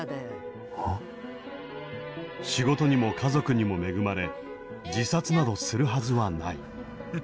仕事にも家族にも恵まれ自殺などするはずはない。